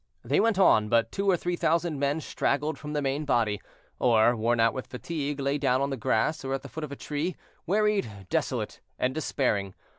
They went on; but two or three thousand men straggled from the main body, or, worn out with fatigue, lay down on the grass, or at the foot of a tree, wearied, desolate, and despairing.